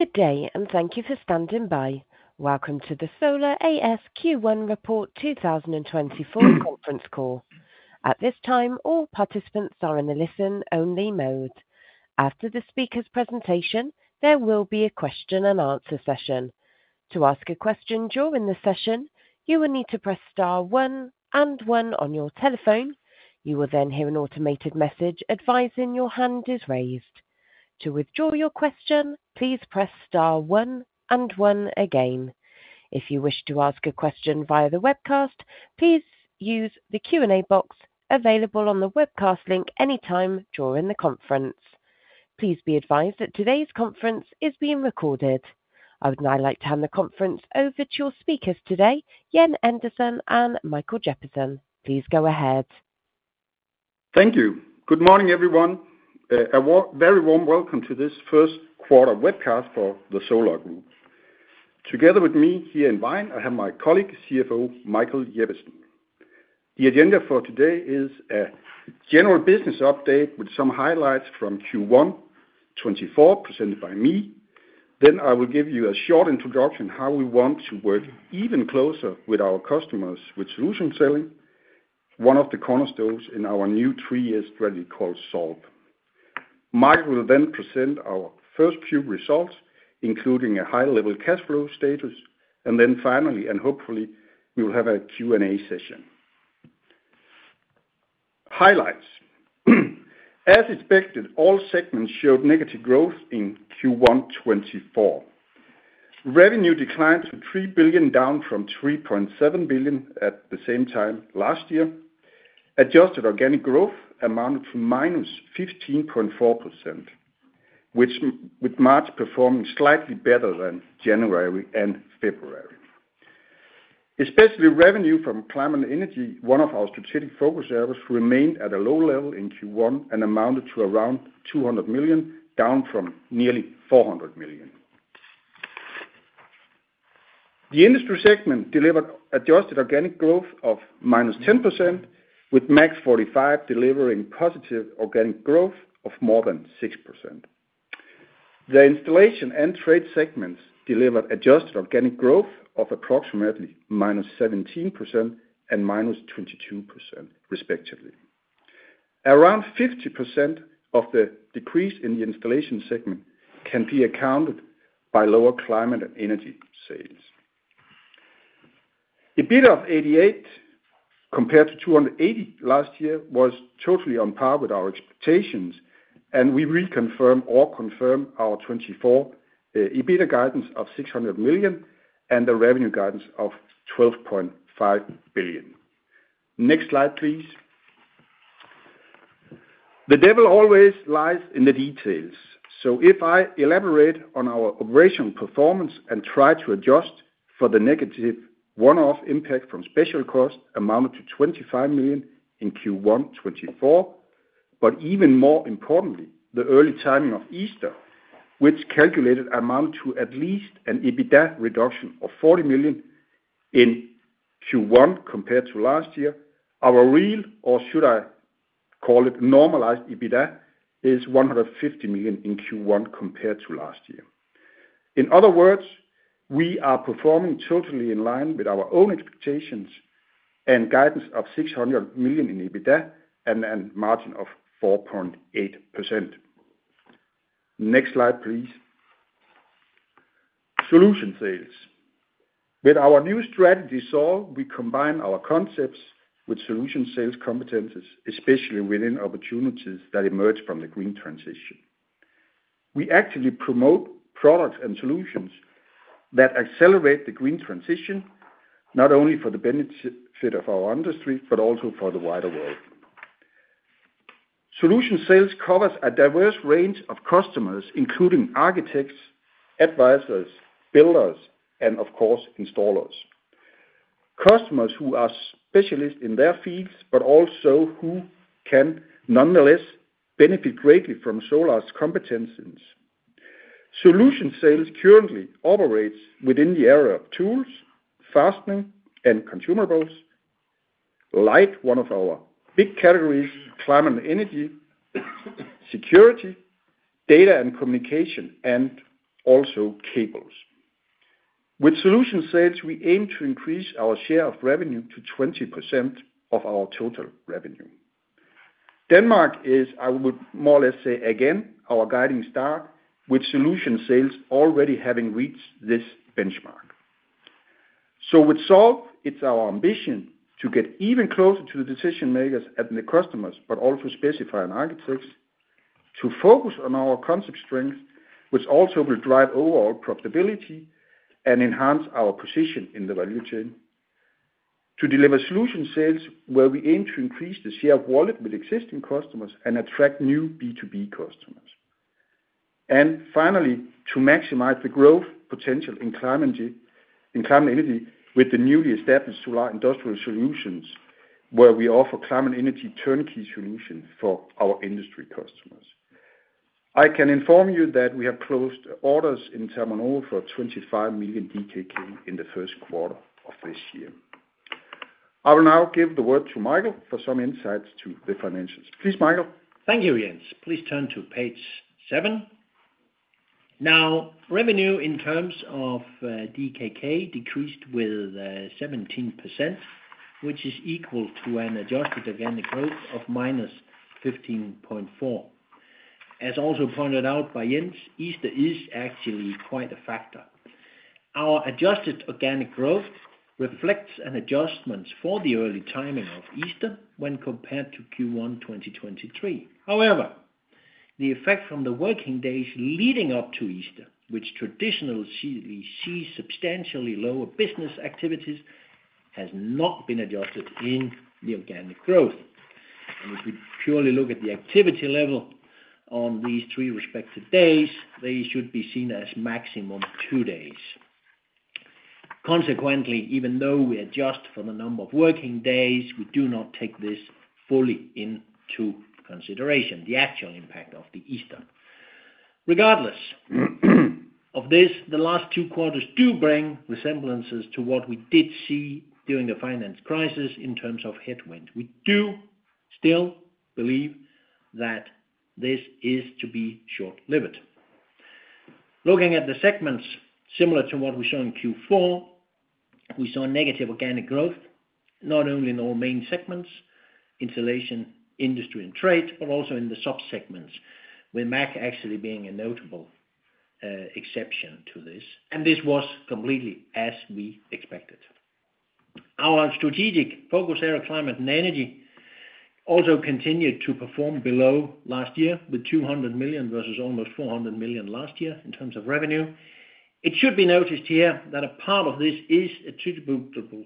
Good day, and thank you for standing by. Welcome to the Solar A/S Q1 Report 2024 Conference Call. At this time, all participants are in a listen-only mode. After the speaker's presentation, there will be a question-and-answer session. To ask a question during the session, you will need to press star one and one on your telephone. You will then hear an automated message advising your hand is raised. To withdraw your question, please press star one and one again. If you wish to ask a question via the webcast, please use the Q&A box available on the webcast link anytime during the conference. Please be advised that today's conference is being recorded. I would now like to hand the conference over to your speakers today, Jens Andersen and Michael Jeppesen. Please go ahead. Thank you. Good morning, everyone. A very warm welcome to this first quarter webcast for the Solar. Together with me here in line, I have my colleague, CFO, Michael Jeppesen. The agenda for today is a general business update with some highlights from Q1 2024, presented by me. Then I will give you a short introduction how we want to work even closer with our customers with solution selling, one of the cornerstones in our new 3-year strategy called Solve. Mike will then present our financial results, including a high-level cash flow status, and then finally, and hopefully, we will have a Q&A session. Highlights. As expected, all segments showed negative growth in Q1 2024. Revenue declined to 3 billion, down from 3.7 billion at the same time last year. Adjusted organic growth amounted to -15.4%, which, with March performing slightly better than January and February. Especially revenue from climate and energy, one of our strategic focus areas, remained at a low level in Q1 and amounted to around 200 million, down from nearly 400 million. The industry segment delivered adjusted organic growth of -10%, with MAG45 delivering positive organic growth of more than 6%. The installation and trade segments delivered adjusted organic growth of approximately -17% and -22%, respectively. Around 50% of the decrease in the installation segment can be accounted by lower climate and energy sales. EBITDA of 88 million, compared to 280 million last year, was totally on par with our expectations, and we reconfirm or confirm our 2024 EBITDA guidance of 600 million and the revenue guidance of 12.5 billion. Next slide, please. The devil always lies in the details. So if I elaborate on our operational performance and try to adjust for the negative one-off impact from special costs amounted to 25 million in Q1 2024, but even more importantly, the early timing of Easter, which calculated amount to at least an EBITDA reduction of 40 million in Q1 compared to last year, our real, or should I call it normalized EBITDA, is 150 million in Q1 compared to last year. In other words, we are performing totally in line with our own expectations and guidance of 600 million in EBITDA and a margin of 4.8%. Next slide, please. Solution Sales. With our new strategy, Solve, we combine our concepts with Solution Sales competencies, especially within opportunities that emerge from the green transition. We actively promote products and solutions that accelerate the green transition, not only for the benefit of our industry, but also for the wider world. Solution Sales covers a diverse range of customers, including architects, advisors, builders, and of course, installers. Customers who are specialists in their fields, but also who can nonetheless benefit greatly from Solar's competencies. Solution Sales currently operates within the area of tools, fastening, and consumables, light, one of our big categories, climate and energy, security, data and communication, and also cables. With Solution Sales, we aim to increase our share of revenue to 20% of our total revenue. Denmark is, I would more or less say again, our guiding star, with Solution Sales already having reached this benchmark. So with Solve, it's our ambition to get even closer to the decision-makers and the customers, but also specify on architects to focus on our concept strength, which also will drive overall profitability and enhance our position in the value chain. To deliver Solution Sales, where we aim to increase the share of wallet with existing customers and attract new B2B customers. And finally, to maximize the growth potential in climate energy with the newly established Solar Industrial Solutions, where we offer climate energy turnkey solutions for our industry customers. I can inform you that we have closed orders in ThermoNova for 25 million DKK in the first quarter of this year. I will now give the word to Michael for some insights to the financials. Please, Michael. Thank you, Jens. Please turn to page seven. Now, revenue in terms of DKK decreased with 17%, which is equal to an adjusted organic growth of -15.4%. As also pointed out by Jens, Easter is actually quite a factor. Our adjusted organic growth reflects an adjustments for the early timing of Easter when compared to Q1 2023. However, the effect from the working days leading up to Easter, which traditionally we see substantially lower business activities, has not been adjusted in the organic growth. And if we purely look at the activity level on these three respective days, they should be seen as maximum two days. Consequently, even though we adjust for the number of working days, we do not take this fully into consideration, the actual impact of the Easter. Regardless of this, the last two quarters do bring resemblances to what we did see during the financial crisis in terms of headwinds. We do still believe that this is to be short-lived. Looking at the segments, similar to what we saw in Q4, we saw negative organic growth, not only in all main segments, installation, industry, and trade, but also in the subsegments, with MAG actually being a notable exception to this, and this was completely as we expected. Our strategic focus area, climate and energy, also continued to perform below last year, with 200 million versus almost 400 million last year in terms of revenue. It should be noticed here that a part of this is attributable,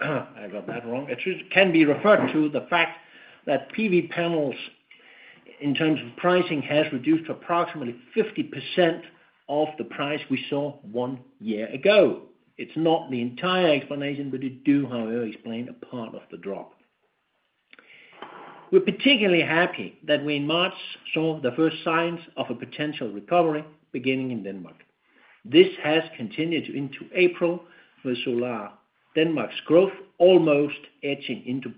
I got that wrong. It can be referred to the fact that PV panels, in terms of pricing, has reduced to approximately 50% of the price we saw 1 year ago. It's not the entire explanation, but it do, however, explain a part of the drop. We're particularly happy that we, in March, saw the first signs of a potential recovery beginning in Denmark. This has continued into April, with Solar Denmark's growth almost edging into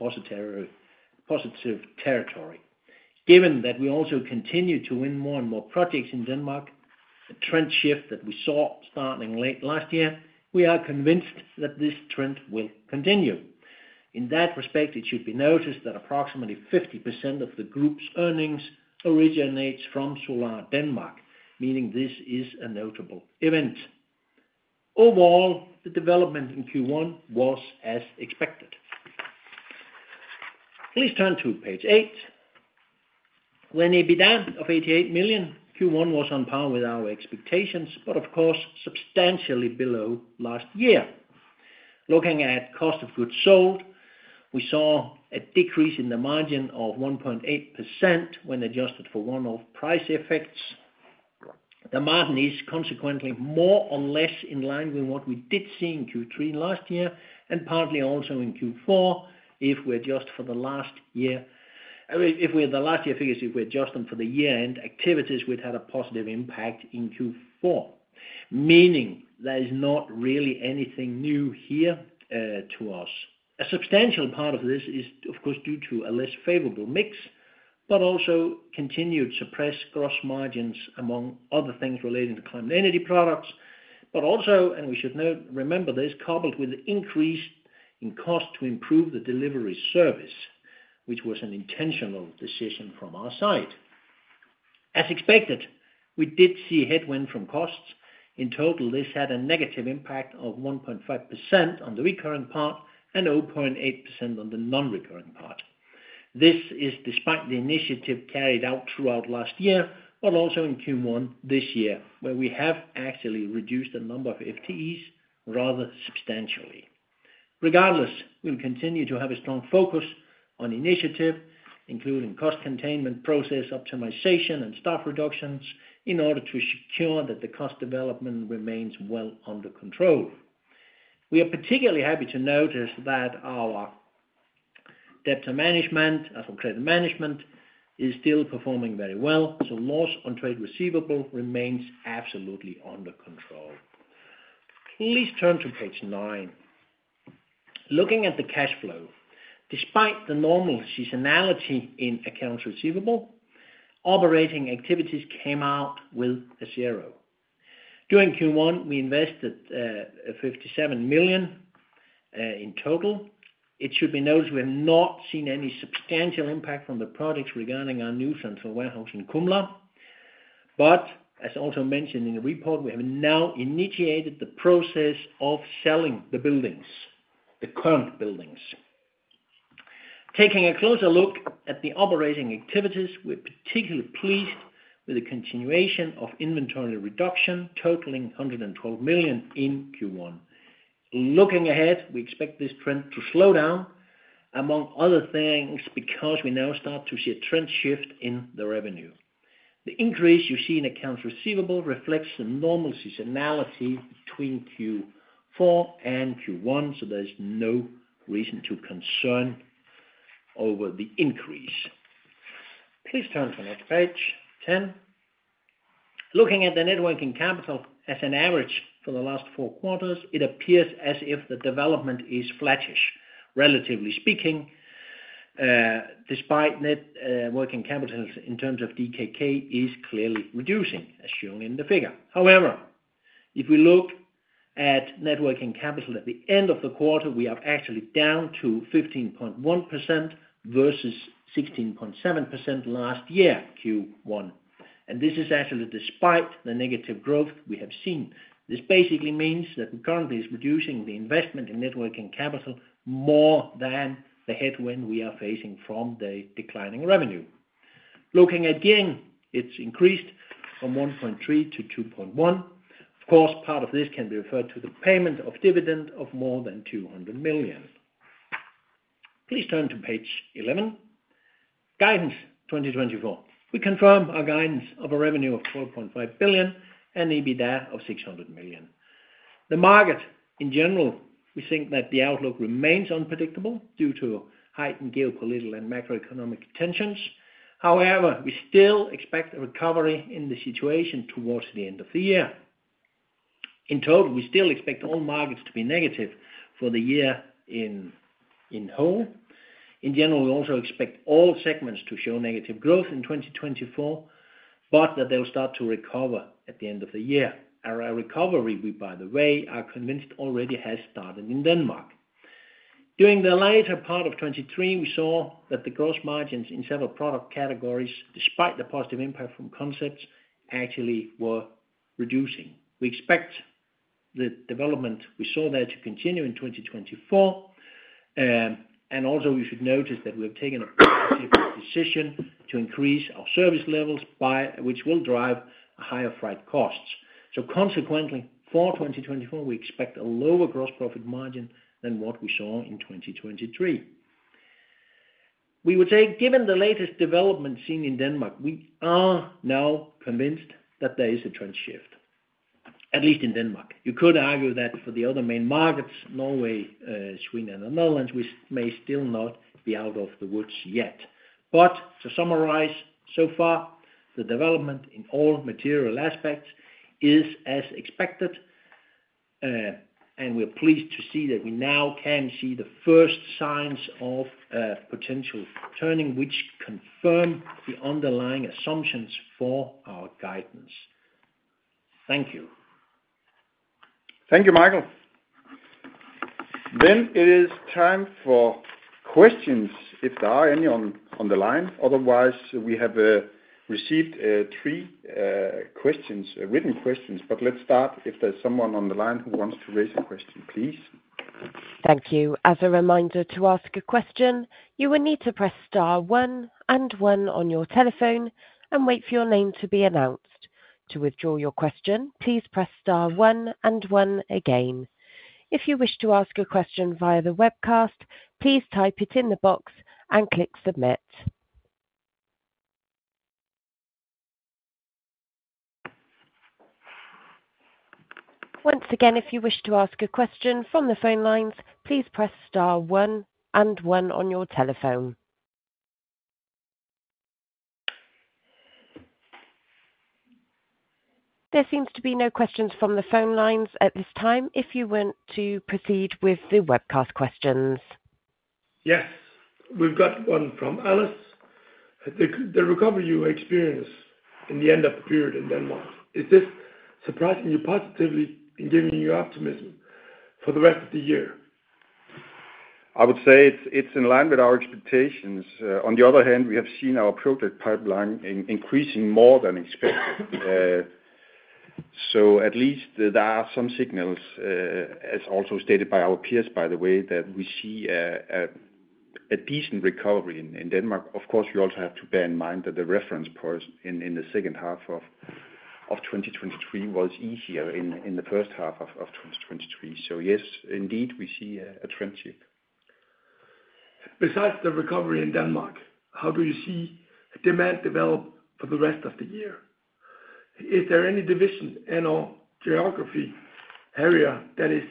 positive territory. Given that we also continue to win more and more projects in Denmark, the trend shift that we saw starting late last year, we are convinced that this trend will continue. In that respect, it should be noticed that approximately 50% of the group's earnings originates from Solar Denmark, meaning this is a notable event. Overall, the development in Q1 was as expected. Please turn to page eight. With an EBITDA of 88 million, Q1 was on par with our expectations, but of course, substantially below last year. Looking at cost of goods sold, we saw a decrease in the margin of 1.8% when adjusted for one-off price effects. The margin is consequently more or less in line with what we did see in Q3 last year, and partly also in Q4, if we adjust for the last year. If we had the last year figures, if we adjust them for the year-end activities, we'd had a positive impact in Q4, meaning there is not really anything new here, to us. A substantial part of this is, of course, due to a less favorable mix, but also continued suppressed gross margins among other things relating to climate energy products. But also, we should note, remember this, coupled with an increase in cost to improve the delivery service, which was an intentional decision from our side. As expected, we did see a headwind from costs. In total, this had a negative impact of 1.5% on the recurring part and 0.8% on the non-recurring part. This is despite the initiative carried out throughout last year, but also in Q1 this year, where we have actually reduced the number of FTEs rather substantially. Regardless, we'll continue to have a strong focus on initiative, including cost containment, process optimization, and staff reductions, in order to secure that the cost development remains well under control. We are particularly happy to notice that our debtor management, or credit management is still performing very well, so loss on trade receivable remains absolutely under control. Please turn to page nine. Looking at the cash flow, despite the normal seasonality in accounts receivable, operating activities came out with a zero. During Q1, we invested 57 million in total. It should be noted, we have not seen any substantial impact from the products regarding our new central warehouse in Kumla. But as also mentioned in the report, we have now initiated the process of selling the buildings, the current buildings. Taking a closer look at the operating activities, we're particularly pleased with the continuation of inventory reduction, totaling 112 million in Q1. Looking ahead, we expect this trend to slow down, among other things, because we now start to see a trend shift in the revenue. The increase you see in accounts receivable reflects the normal seasonality between Q4 and Q1, so there's no reason to concern over the increase. Please turn to the next page, 10. Looking at the net working capital as an average for the last four quarters, it appears as if the development is flattish, relatively speaking, despite net working capital in terms of DKK is clearly reducing, as shown in the figure. However, if we look at net working capital at the end of the quarter, we are actually down to 15.1% versus 16.7% last year, Q1. And this is actually despite the negative growth we have seen. This basically means that we currently is reducing the investment in net working capital more than the headwind we are facing from the declining revenue. Looking at gearing, it's increased from 1.3x-2.1x. Of course, part of this can be referred to the payment of dividend of more than 200 million. Please turn to page 11. Guidance 2024. We confirm our guidance of a revenue of 12.5 billion and EBITDA of 600 million. The market in general, we think that the outlook remains unpredictable due to heightened geopolitical and macroeconomic tensions. However, we still expect a recovery in the situation towards the end of the year. In total, we still expect all markets to be negative for the year in, in whole. In general, we also expect all segments to show negative growth in 2024, but that they'll start to recover at the end of the year. A recovery, we, by the way, are convinced already has started in Denmark. During the later part of 2023, we saw that the gross margins in several product categories, despite the positive impact from concepts, actually were reducing. We expect the development we saw there to continue in 2024. And also you should notice that we have taken a decision to increase our service levels by which will drive higher freight costs. So consequently, for 2024, we expect a lower gross profit margin than what we saw in 2023. We would say, given the latest development seen in Denmark, we are now convinced that there is a trend shift, at least in Denmark. You could argue that for the other main markets, Norway, Sweden, and the Netherlands, we may still not be out of the woods yet. But to summarize, so far, the development in all material aspects is as expected, and we're pleased to see that we now can see the first signs of potential turning, which confirm the underlying assumptions for our guidance. Thank you. Thank you, Michael. Then it is time for questions, if there are any on the line. Otherwise, we have received three questions, written questions, but let's start if there's someone on the line who wants to raise a question, please. Thank you. As a reminder to ask a question, you will need to press star one and one on your telephone and wait for your name to be announced. To withdraw your question, please press star one and one again. If you wish to ask a question via the webcast, please type it in the box and click submit. Once again, if you wish to ask a question from the phone lines, please press star one and one on your telephone. There seems to be no questions from the phone lines at this time. If you want to proceed with the webcast questions. Yes, we've got one from Alice. The recovery you experience in the end of the period in Denmark, is this surprising you positively in giving you optimism for the rest of the year? I would say it's in line with our expectations. On the other hand, we have seen our project pipeline increasing more than expected. So at least there are some signals, as also stated by our peers, by the way, that we see a decent recovery in Denmark. Of course, we also have to bear in mind that the reference period in the second half of 2023 was easier in the first half of 2023. So yes, indeed, we see a trend shift. Besides the recovery in Denmark, how do you see demand develop for the rest of the year? Is there any division and/or geography area that is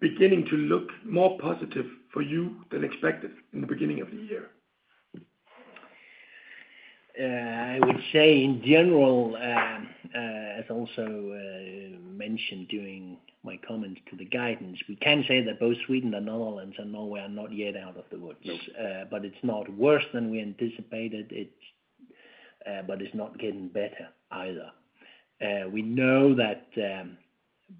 beginning to look more positive for you than expected in the beginning of the year? I would say in general, as also mentioned during my comments to the guidance, we can say that both Sweden and Netherlands and Norway are not yet out of the woods, but it's not worse than we anticipated. It's, but it's not getting better either. We know that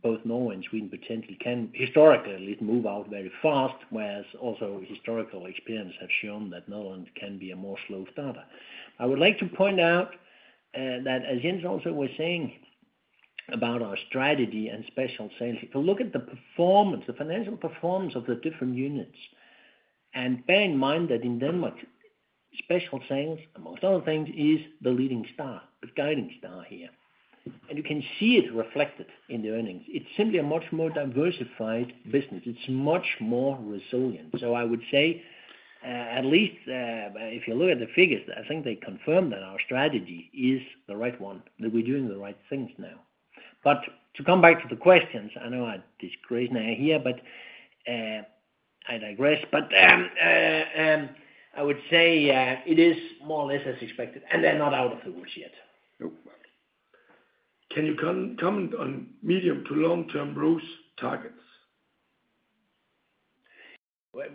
both Norway and Sweden potentially can, historically, move out very fast, whereas also historical experience have shown that Netherlands can be a more slow starter. I would like to point out that as Jens also was saying about our strategy and Solution Sales, if you look at the performance, the financial performance of the different units, and bear in mind that in Denmark, Solution Sales, among other things, is the leading star, the guiding star here. And you can see it reflected in the earnings. It's simply a much more diversified business. It's much more resilient. So I would say, at least, if you look at the figures, I think they confirm that our strategy is the right one, that we're doing the right things now.... But to come back to the questions, I know I'm digressing here, but, I digress. But, I would say, it is more or less as expected, and they're not out of the woods yet. Nope. Can you comment on medium to long-term growth targets?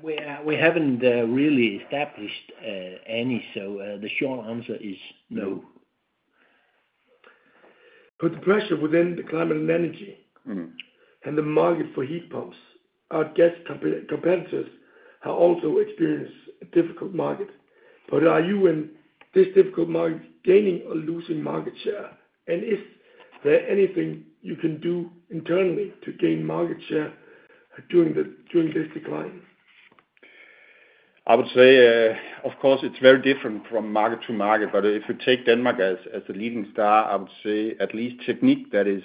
We haven't really established any, so the short answer is no. Put the pressure within the climate and energy- Mm-hmm. and the market for heat pumps. Our gas competitors have also experienced a difficult market, but are you, in this difficult market, gaining or losing market share? And is there anything you can do internally to gain market share during this decline? I would say, of course, it's very different from market to market, but if you take Denmark as a leading star, I would say at least TEKNIQ, that is,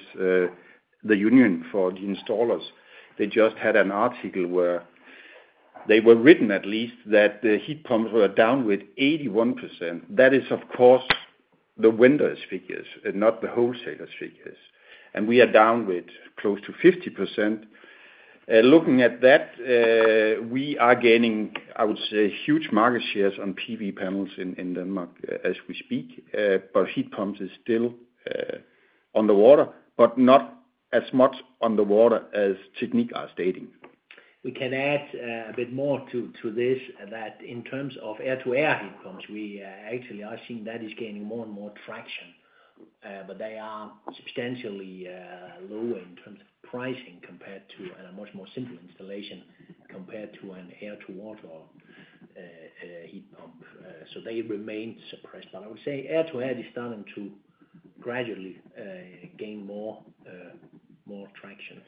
the union for the installers. They just had an article where they were written, at least, that the heat pumps were down with 81%. That is, of course, the vendors' figures and not the wholesalers' figures. And we are down with close to 50%. Looking at that, we are gaining, I would say, huge market shares on PV panels in Denmark as we speak. But heat pumps is still on the water, but not as much on the water as Technique are stating. We can add a bit more to this, that in terms of air-to-air heat pumps, we actually are seeing that is gaining more and more traction. But they are substantially low in terms of pricing compared to, and a much more simple installation, compared to an air-to-water heat pump. So they remain suppressed. But I would say air-to-air is starting to gradually gain more, more traction.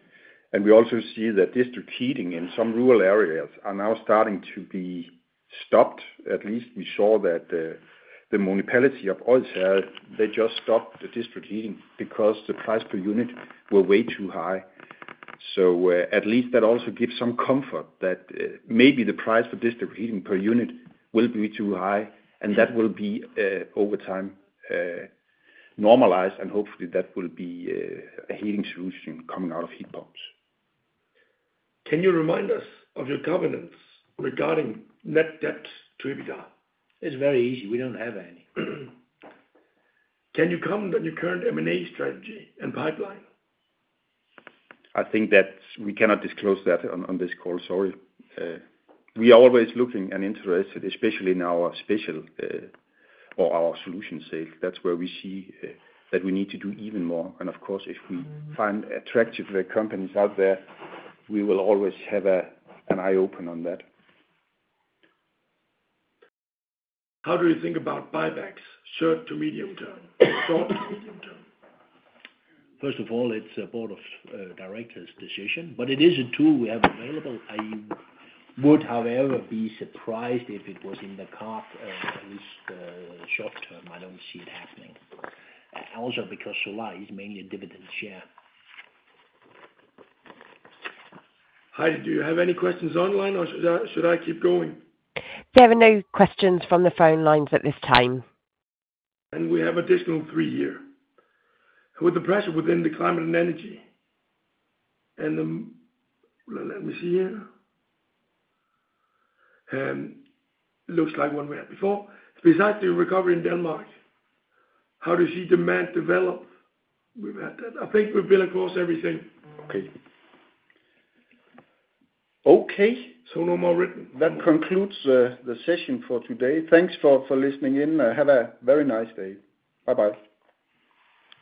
We also see that district heating in some rural areas are now starting to be stopped. At least we saw that, the municipality of Odense, they just stopped the district heating because the price per unit were way too high. So, at least that also gives some comfort that, maybe the price for district heating per unit will be too high, and that will be, over time, normalized, and hopefully, that will be, a heating solution coming out of heat pumps. Can you remind us of your governance regarding net debt to EBITDA? It's very easy. We don't have any. Can you comment on your current M&A strategy and pipeline? I think that we cannot disclose that on this call, sorry. We are always looking and interested, especially in our special or our Solution Sales. That's where we see that we need to do even more. And of course, if we find attractive companies out there, we will always have an eye open on that. How do you think about buybacks, short to medium term? Short to medium term. First of all, it's a Board of Directors' decision, but it is a tool we have available. I would, however, be surprised if it was in the cards, at least short term. I don't see it happening. Also, because Solar is mainly a dividend share. Heidi, do you have any questions online, or should I, should I keep going? There are no questions from the phone lines at this time. We have additional three here. With the pressure within the climate and energy, and, let me see here. Looks like one we had before. Besides the recovery in Denmark, how do you see demand develop? We've had that. I think we've been across everything. Okay. Okay. So no more written. That concludes the session for today. Thanks for listening in. Have a very nice day. Bye-bye.